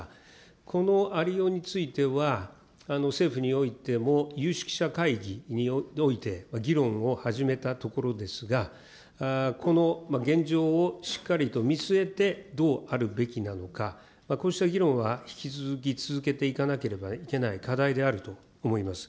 このありようについては、政府においても有識者会議において議論を始めたところですが、この現状をしっかりと見据えてどうあるべきなのか、こうした議論は、引き続き続けていかなければいけない課題であると思います。